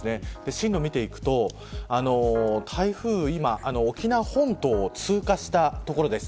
進路を見ていくと台風は今、沖縄本島を通過したところです。